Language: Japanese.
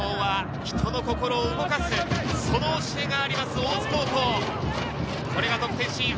笑顔は人の心を動かす、その教えがあります大津高校。